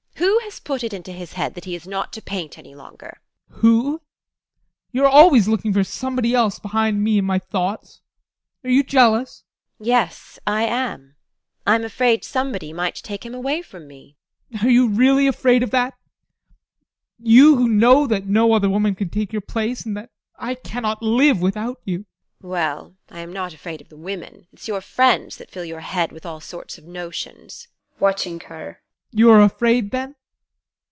Who has put it into his head that he is not to paint any longer? ADOLPH. Who? You are always looking for somebody else behind me and my thoughts. Are you jealous? TEKLA. Yes, I am. I'm afraid somebody might take him away from me. ADOLPH. Are you really afraid of that? You who know that no other woman can take your place, and that I cannot live without you! TEKLA. Well, I am not afraid of the women it's your friends that fill your head with all sorts of notions. ADOLPH. [Watching her] You are afraid then?